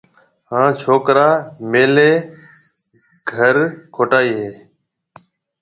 ھان ڇوڪرا ميليَ گھر کوٽائيَ ھيََََ